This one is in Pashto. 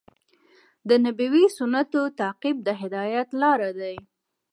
د نبوي سنتونو تعقیب د هدایت لار دی.